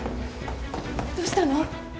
どうしたの？